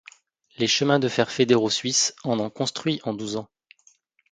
Les Chemins de fer fédéraux suisses en ont construit en douze ans.